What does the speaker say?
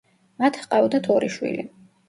მათ ჰყავდათ ორი შვილი.